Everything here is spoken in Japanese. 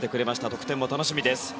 得点も楽しみです。